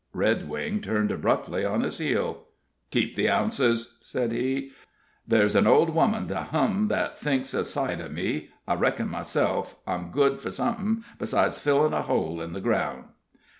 Redwing turned abruptly on his heel. "Keep the ounces," said he. "Ther's an old woman to hum that thinks a sight o' me I reckon, myself, I'm good fur somethin' besides fillin' a hole in the ground."